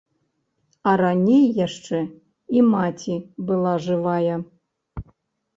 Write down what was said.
А раней яшчэ і маці была жывая.